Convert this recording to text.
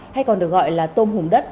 hay còn được gọi là tôm hùng đất